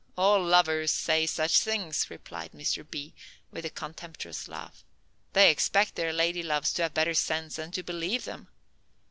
"Oh, all lovers say such things," replied Mr. B., with a contemptuous laugh. "They expect their lady loves to have better sense than to believe them."